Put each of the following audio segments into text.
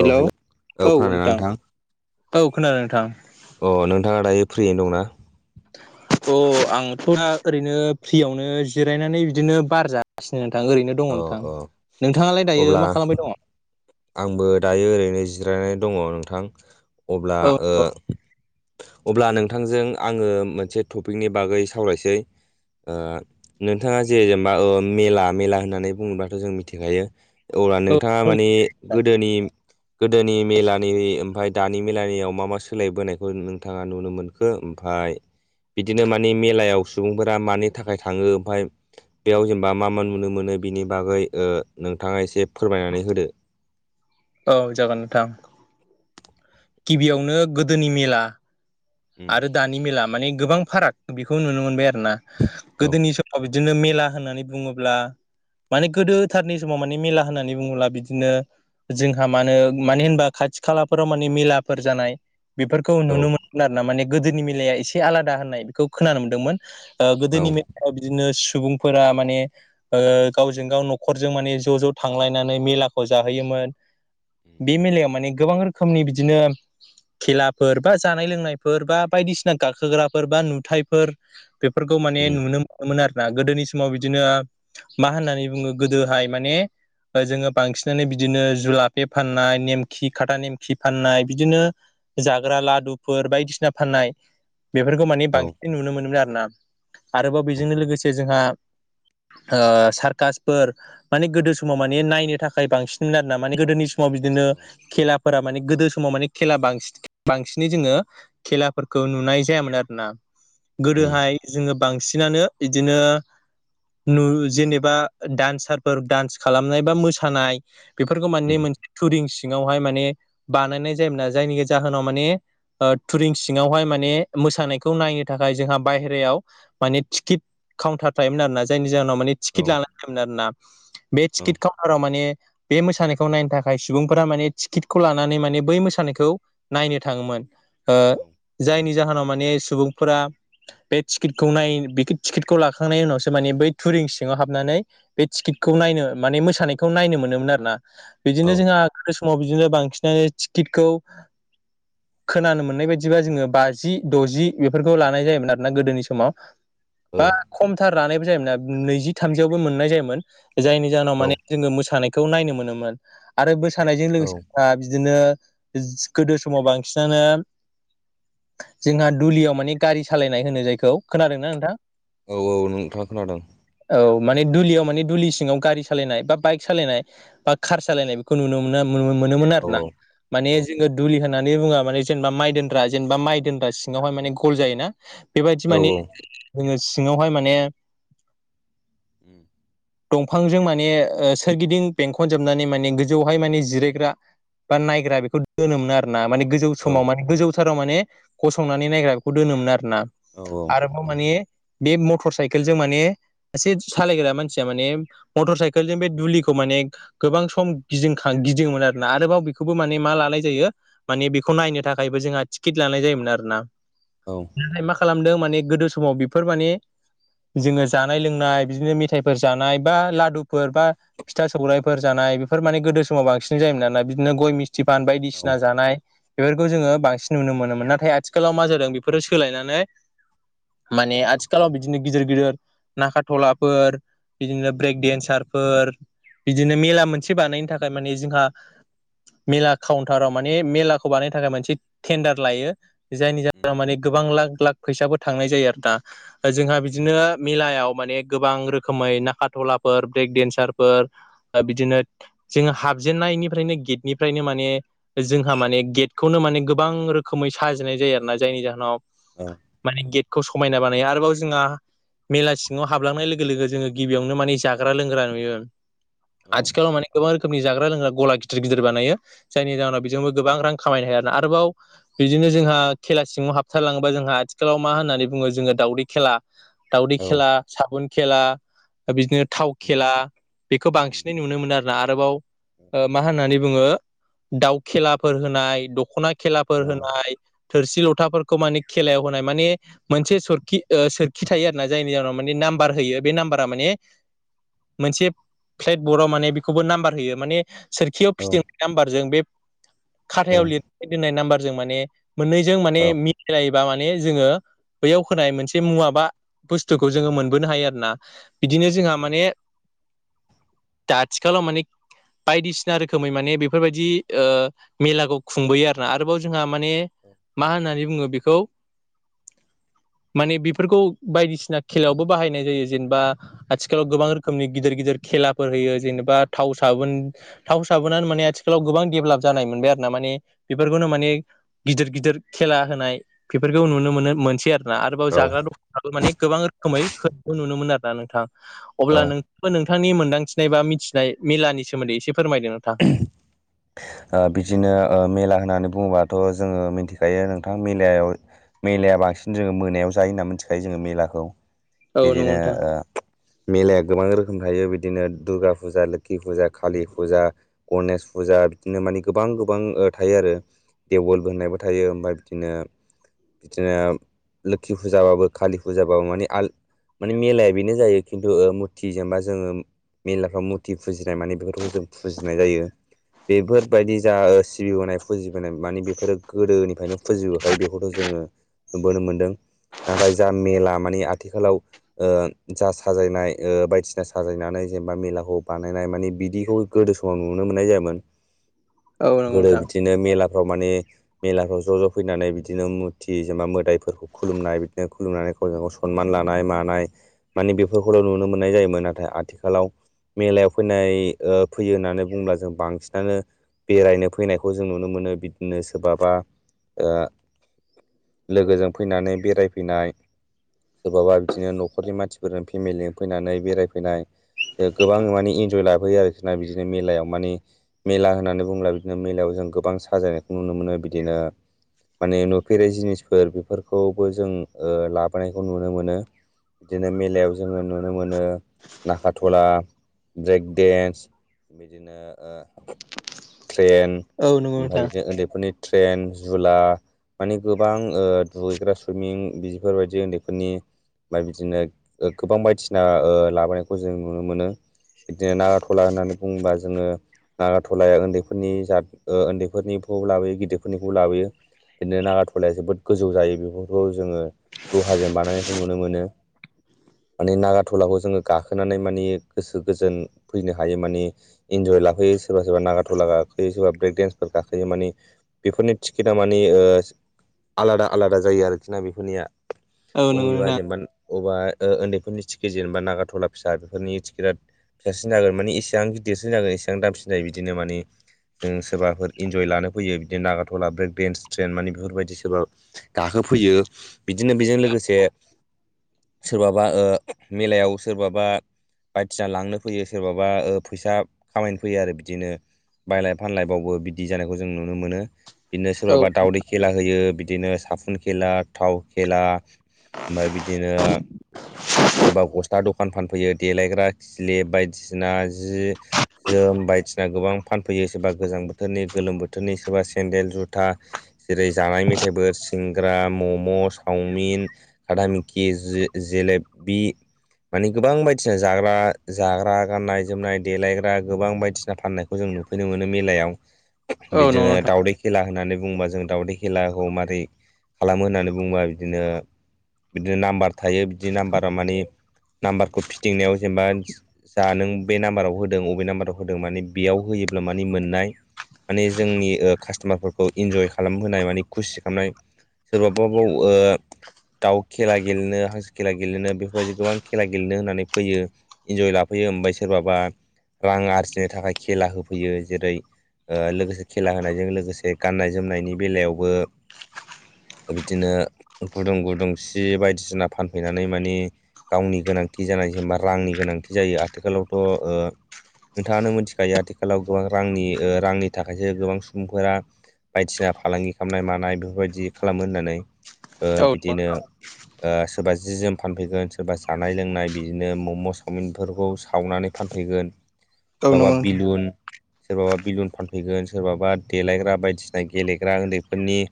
औ हेल' औ खोनादोंना नोंथां औ खोनादों नोंथां अ नोंथाङा दायो फ्रियैनो दंना अ आंथ दा ओरैनो फ्रियावनो जिरायनानै बिदिनो बार जा गासिनो नोंथां ओरैनो दङ अ नोंथां अ नोंथाङालाय दायो अब्ला मा खालामबाय दङ आंबो दायो ओरैनो जिरायनानै दङ नोंथां अब्ला औ ओ अब्ला नोंथांजों आङो मोनसे टपिकनि बागै सावरायसै ओ नोंथाङा जे जेनबा ओ मेला मेला होननानै बुङोबाथ जों मिथिखायो अब्ला औ नोंथाङा माने गोदोनि गोदोनि मेलानि ओमफफ्राय दानि मेलानियाव मा मा सोलायबोनायखौ नोंथाङा नुनो मोनखो ओमफ्राय बिदिनो माने मेलायाव सुबुंफोरा मानि थाखाय थाङो ओमफाय बेयाव जेनेबा मा मा नुनो मोनो बिनि बागै नोंथाङा एसे फोरमायनानै होदो। औ जागोन नोंथां। गिबियावनो गोदोनि मेला। उम आरो दानि मेला माने गोबां फाराग बेखौ नुनो मोनबाय आरो ना औ गोदोनि समाव बिदिनो मेला होननानै बुङोब्ला माने गोदोथारनि समाव माने मेला होननानै बुङोब्ला बिदिनो जोंहा मानो मानो होनबा खाथि खालाफोराव माने मेलाफोर जानाय बेफोरखौ औ नुनो मोनोन आरो ना माने गोदोनि मिलाया एसे आलादा होननाय बेखौ खोनानो मोनदोंमोन। ओ औ गोदोनि मेलाव बिदिनो सुबुंफोरा माने गावजों गाव न'खरजों माने ज' ज' थांलायनानै मेलाखौ जाहोयोमोन। उम बे मेलायाव माने गोबां रोखोमनि बिदिनो खेलाफोर बा जा जानाय लोंनायफोर बा बायदिसिना गाखोग्राफोर बा नुथायफोर बेफोरखौ माने नुनो मो मोन आरोना गोदोनि समाव बिदिनो मा होननानै बुङो गोदोहाय माने जोङो बांसिनानो बिदिनो जुलाफे फाननाय नेमखि खाथा नेमखि फाननाय बिदिनो जाग्रा लादुफोर बायदिसिना फाननाय बेफोरखौ माने औ बांसिन नुनो मोनोन आरो ना। आरोबाव बेजोंनो लोगोसे जोंहा ओ सार्कासफोर माने गोदो समाव माने नायनो थाखाय बांसिन आरोना माने गोदोनि स समाव बिदिनो औ खेलाफोरा माने गोदो समाव माने खेला बांसिन बांसिन जोङो खेलाफोरखौ नुनाय जायामोन आरोना उम गोदोहाय जोङो बांसिनानो बिदिनो नु जेनेबा डान्सारफोर डान्स खालामनाय बा मोसानाय बेफोरखौ माने उम मोनसे थुरिं सिङावहाय माने बानायनाय जायोमोना जायनि जाहोनाव माने थुरिं सिङावहाय माने मोसानायखौ नायनो थाखाय जोंहा बायेरायाव मानि टिकिट काउन्टार थायोमोन आरो ना जायनि जाहोनाव माने औ टिकिट लानाय जायोमोन आरो ना बे औ टिकिट काउन्टाराव माने बे मोसानायखौ नायनो थाखाय सुबुंफोरा माने टिकिटखौ लानानै माने बै मोसानायखौ नायनो थाङोमोन ओ औ जायनि जाहोनाव माने सुबुंफोरा बे टिकिटखौ नाय टिकेटखौ लाखांनायनि उनावसो माने बै थुरिं सिङाव हाबनानै बे टिकिटखौ नायनो माने मोसानायखौ नायनो मोनोमोन आरो ना। औ बिदिनो जोंहा गोबां समाव बिदिनो बांसिनानो टिकिटखौ खोनानो मोननाय बायदिबा जोङो बाजि द'जि बेफोरखौ लानाय जायोमोन आरोना गोदोनि समाव। बा खमथार लानायबो जायोमोनना नैजि थामजियावबो मोननाय जायोमोन जायनि जाहोनाव औ माने जोङो मोसानायखौ नायनो मोनोमोन आरो मोसानायजों औ लोगोसेहा बिदिनो गोदो समाव बांसिनानो जोंहा दुलियाव माने गारि सालायनाय होनो जायखौ खोनादों ना नोंथां? औ औ नोंथां खोनादों। औ माने दुलियाव माने दुलि सिङाव गारि सालायनाय बा बाइक सालायनाय बा खार सालायनाय बेखौ नुनो मोन मोनोमोन औ आरोना माने औ जोङो दुलि होन नानै बुंङा माने जेनेबा माइ दोन्रा जेनेबा माइ दोनग्रा सिङावहाय माने गल जायोना। बेबायदि औ माने जोङो सिङावहाय माने दंफांजों माने सोरगिदिं बेंखनजोबनानै माने गोजौहाय माने जिरायग्रा बा नायग्रा बेखौ दोनोमोन आरोना माने गोजौ समाव माने गोजौ माने गंनानै नायग्रा बेखौ दोनोमोन आरोना आर औ माने बे मटर साइकेलजों माने सासे सालायग्रा मानसिया माने मटर साइकेलजों बे दुलिखौ माने गोबां सम गिदिंखां गिदिंयोमोन आरोना आरोबाव बेखौबो माने मा लानाय जायो माने बेखौ नायनो थाखायबो जोंहा टिकिट लानाय जायोमोन आरोना। औ। नाथाय मा खालामदों माने गोदो समाव बेफोर माने जोङो जानाय लोंनाय बिदिनो मेथायाइफोर जानाय बा लादुफोर बा फिथा सौरायफोर जानाय बेफोर माने गोदो समाव बांसिन जायोना बिदिनो गय मिस्थि फा जानाय बेफोरखौ जोङो बांसिन नुनो मोनोमोन नाथाय आथि खालाव मा जादों बेफोरो सोलायनानै माने आथिखालाव बिदिनो गिदिर गिदिर नागा थलाफोर बिदिनो ब्रेक डेन्सार फोर बिदिनो मेला मोनसे बानायनो थाखाय माने जोंहा मेला खाउ नताराव माने मेलाखौ बानायनो थाखाय मोनसे टेन्डार लायो जायनि जाहोनाव माने गोबां लाख लाख फैसाबो थांनाय जायो आरो ना। जोंहा बिदिनो मेलायाव माने गोबां रोखोमै नाखाराथलाफोर ब्रेक डेनसारफोर बिदिनो जोङो हाबजेननायनिफ्रायनो गेटनिफ्रायनो माने जोंहा माने गेटखौनो माने गोबां रोखोमै साजिनाय जायो आरो ना जायनि जाहोनाव माने गेटखौ समायना बानायो आरोबाव जोंहा मेला सिङाव हाबलांनाय लोगो लोगो जोङो गिबियावनो माने जाग्रा लोंग्रा नुयो आथिखालाव माने गोबां रोखोमनि जाग्रा लोंग्रा गला गिदिर गिदिर बानायो जायनि जाहोनाव बेजोंबो गोबां रां खामायनो हाया आरोना आरोबाव बिदिनो जोंहा खेला सिङाव हाबथारलाङोबा जोंहा आथिखालाव मा होननानै बुङो जोङो दावदै खेला दाउदै खेला साबुन खेला बिदिनो थाव खेला बेखौ बांसिनै नुनो मोनो आरो ना आरोबाव मा होननानै बुङो दाउ खेलाफोर होनाय दखना खेलाफोर होनाय थोरसि लथाफोरखौ माने खेलायाव होनाय माने मोनसे सोरखि ओ सोर खिथायो आरोना जायनि जाउनाव माने नाम्बार होयो बे नामबार थारमाने मोनसे प्लेद बर्दाव माने बेखौबो नामबार होयो माने सोरखियाव फिदिंनाय नाम्बारजों बे खाथायाव लिरना दोननाय नाम्बारजों माने मोननैजों औ माने मिलालायोबा माने जोङो बैयाव होनाय मोनसे मुवा बा औ बुस्थुखौ जोङो मोनबोनो हायो आरो ना औ बिदिनो जोंहा माने दा आथिखालाव माने बायदिसिना रोखोमै माने बे बेफोरबायदि ओ मेलाखौ खुंबोयो आरोना आरोबाव जोंहा माने औ मा होननानै बुङो बेखौ माने बेफोरखौ बायदिसिना खेलायावबो बाहायनाय जायो जेनेबा आथिखालाव औ गोबां रोखोमनि गिदिर गिदिर खेलाफोर होयो जेनेबा थाव साबोन थाव साबोनानो माने आथिखालाव गोबां डेभेलप जानाय मोनबाय आरो ना माने बेफोरखौनो माने गिदिर गिदिर खेला होनाय बेफोरखौ नुनो मोनो मोनसै आरोना आरोबाव औ जाग्रा ओ द माने गोबां रोखोमै होनखौ नुनो मोनो आरोना नोंथां अब्ला नों बा नोंथांनि मोन्दांथिनाय बा मिथिनाय मेलानि सोमोन्दै एसे फोरमायदो नोंथां [inaudible] ओ बिदिनो मेला होननानै बुङोबाथ जोङो मिथिखायो नोंथां मेलायाव मेलाया बांसिन जोङो मोनायाव जायो होनना मिथिखायो जोङो मेलाखौ औ नंगौ बिदिनो नोंथां मेलाया गोबां रोखोम थायो बिदिनो दुर्गा फुजा लोखि फुजा कालि फुजा गनेस फुजा बिदिनो माने गोबां गोबां थायो आरो देवल होननायबो थायो ओमफ्राय बिदिनो बिदिनो लोखि फुजाबाबो कालि फुजाबाबो माने आल माने मेलाया बेनो जायो खिन्थु मुरथि जेनेबा जोङो मेलाफ्राव मुरथि फुजिनाय माने बेफोरखौ जों फुजि नाय जायो बेफोरबायदि जा सिबिबोनाय फुजिबोनाय माने बेफोरो गोदोनिफ्रायनो फुजिबोखायो बेखौथ जोङो नुबोनो मोन्दों नाथाय जा मेला माने आथिखालाव ओ जा साजायनाय ओ बायदिसिना साजायनानै जेनेबा मेलाखौ बानायनाय माने बिदिखौ गोदो समाव नुनो मोननाय जायामोन औ नंगौ गोदो नोंथां बिदिनो मेलाफ्राव माने मेलाफ्राव ज' ज' फैनानै बिदिनो मुरथि जेनबा मोदायफोरखौ खुलुमनाय बिदिनो खुलुमनानै गावजों गाव सनमान लानाय मानाया मानिे बेफोरखौल नुनो मोननाय जायोमोन नाथाय आथिखालाव मेलायाव फैनाय ओ फैयो होननानै बुंङोब्ला जों बांसिनानो बेरायनो फैनायखौ जों नुनो मोनो बिदिनो सोरबाबा लोगोजों फैनानै बेरायफैनाय। सोरबाबा बिदिनो न'खरनि मानसिफोरजों फेमिलिजों फैनानै बेरायफैनाया गोबां माने इन्जय लाबोैयो आरोखि ना बिदिनो मेलायाव माने ओ मेला होननानै बुङोब बिदिनो मेलायाव जों गोबां साजायनायखौ नुनो मोनो बिदिनोहा माने नुफेरै जिनिसफोर बेफोरखौबो जों लाबोनायखौ नुनो मोनो। बिदिनो मेलायाव जोङो नुनो मोनो नाखाथला ब्रेक डेन्स आ बिदिनो ट्रेन औ नंगौ ओमफ्राय नोंथां बिदिनो ओन्दैफोरनिओ ट्रेन जुलाओ माने गोबां दुगैग्रा सुइमिं बिदिफोरबायदि उन्दैफोरनिओ ओमफ्राय बिदिनो गोबां बायदिसिना लाबोनायखौ जों नुनो मोनोना। बिदिनो नाखाथला होननानै बुङोबा जोङोओ नाखाथलाया उन्दैफोरनि जा उन्दैफोरनिखौ लाबोयो गिदिरफोरनिखौ लाबोयो बिदिनो नाखाथ'लाया जोबोद गोजौ जायो बेफोरखौ जोङो लहाजों बानायनायखौ नुनो मोनो। माने नागाथलाखौ जोङो गाखोनानै मानि गोसो गोजोन फैनो हायो माने ओ। इन्जय लाखोयो सोरबा सोरबा नागाथला गाखोयो सोरबा ब्रेक देन्सफोर गाखोयो माने बेफोरनि टिकेटा ओ माने आलादा आलादा जायो आरोखि ना बेफोरनिया औ नंगौ एबा नोंथां जेनेबा अबावबा ओन्दैफोरनि टिकेट जेनेबा नागाथला फिसा बेफोरनि टिकेटआ फिसासिन जागोन माने एसेबां गिदिरसिन जागोन एसेबां दामसिन जायो बिदिनो माने ओ जों सोरबाफोर इन्जय लानो फैयो बिदिनो नागाथला ब्रेक देन्स ट्रेन माने बेफोरबायदि सोरबा। गाखोफैयो बिदिनो बेजों लोगोसे ओ सोरबाबा मेलायाव सोरबाबा बायदिसिना लांनो फैयो सोरबाया फैसा खामायनो फैयो आरो बिदिनो बायलाय फानलाय बावबो बिदि जानायखौ जों नुनो मोनो ओ। बिदिनो औ सोरबा दावदै खेला होयो बिदिनो साफुन खेला थाव खेला ओमफ्राय बिदिनोओ सोरबा गस्ला दखान फानफैयो देलायग्रा, खिलिब बायदिसिना जि जोम बायदिसिना गोबां फानफैयो सोरबा गोजां बोथोरनि गोलोम बोथोरनि सोरबा सेन्देल, जुथा जेरै जानाय मेथाइफोर सिंग्रा, मम, चावमिन काता नेमकि जेलेबिओ मानि गोबां बायदिसिना जाग्रा जाग्रा गाननाय-जोमनाय देलायग्रा गोबां बायदिसिना फाननाय खौ जों नुफैनो मोनो मेलायाव औ नंगौ बिदिनो नोंथां दावदै खेला होननानै बुङोबा जों दावदै खेलाखौ मारै खालामो होननानै बुङोबा बिदिनोओ बिदिनो नाम्बार थायो बिदि नाम्बारा माने नाम्बारखौ फिथिंनायाव जेनेबा जा नों बे नाम्बाराव होदों अबे नाम्बाराव होदों माने बेयाव होयोब्ला माने मोननाय माने जोंनि कास्टमारफोरखौ इन्जय खालामहोनाय माने खुसि खालामनायो सोरबाबा बाव दाउ खेला गेलेनो हांसो खेला गेले गेलेनो बेफोरबायदि गोबां खेला गेलेनो होननानै फैयो इन्जय लाफैयो ओमफ्राय सोरबाबाओ रां आरजिनो थाखाय खेला होफैयो जेरैयो लोगोसे खेला होनायजों लोगोसे गाननाय जोमनायनि बेलायावबो बिदिनो गुदुं गुदुं सि बायदिसिना फान फैनानै मानै गावनि गोनांथि जानाय जेनेबा रांनि गोनांथि जायो आथिखालावथ' नोंथाङानो मिथिखायो आथिखालाव गोबां रांनि रांनि थाखायसो गोबां सुबुंफोरा बायदिसिना फालांगि खालामनाय मानाय बेफोरबायदि खालामो होननानै। औ बिदिनो ओ सोरबा जि जोम फानफैगोन सोरबा जानाय लोंनाय बिदिनो मम सावमिनफोरखौ सावनानै फानफैनाय औ माबा नंगौ नोंथां बेलुना सोरबाबा बेलुन फानफैगोन सोरबाबा देलायग्रा बायदिसिना गेलेग्रा उन्दैफोरनि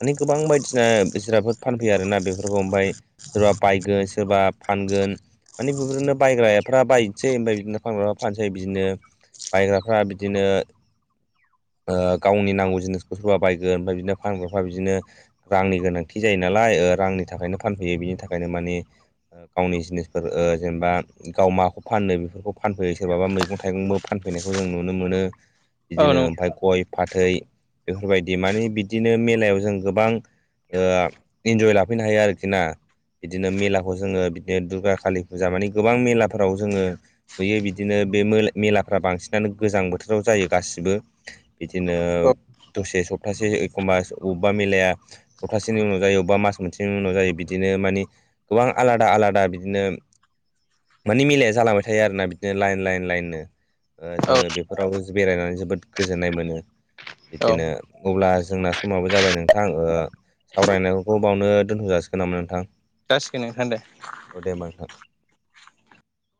माने गोबां बायदिसिना जिरादफोर फानफैयो आरोना बेफोरखौ ओमफाय सोरबा बायगो सोरबा फानगोन। माने बेफोरनो बायग्राफ्रा बायसै ओमफ्राय बिदिनो फानग्राफ्रा फानसै बिदिनो बायग्राफ्रा बिदिनो ओ गावनि नांगौ जिनिसखौ सोरबा बायगोन ओमफ्राय बिदिनो फानग्राफ्रा बिदिनो रांनि गोनांथि जायो नालाय ओ रांनि थाखायनो फानफैयो बिनि थाखायनो माने ओ गावनि जिनिसफोर ओ जेनेबा गाव माखौ फानो बेफोरखौ फानफैयो सोरबाबा मैगं-थाइगंबो फानफैनायखौ जों नुनो मोनो औ बिदिनो नंगौ ओमफ्राय गय फाथै बेफोर बायदि माने बिदिनो मेलायाव जों गोबां ओ इन्जय लाफैनो हायो आरोखि ना। बिदिनो मेलाखौ जोङो बिदिनो दुर्गा, कालि फुजा माने गोबां मेलाफोराव जोङो नुयो बिदिनो बे मो-मेलाफ्रा बांसिनानो गोजां बोथोराव जायो गासिबो। बिदिनो दसे सप्तासे एखमबा अबेबा मिलाया हप्थासेनि उनाव जायो अबबा मास मोनसेनि उनाव जायो बिदिनो मानि गोबां आलादा आलादा बिदिनो मानि मिलाया जालांबाय थायो आरोना बिदिनो लाइन लाइन लाइननो ओ औ औ जोङो बेफोरावबो बेरायनानै जोबोद गोजोन्नाय मोनो। औ बिदिनो अब्ला जोंना समाबो जाबाय नोंथां ओ। सावरायनायखौ बावनो दोनथ' जाासिगोन नामा नोंथां? जासिगोन नोंथां दे। औ दे होमबा नोंथां।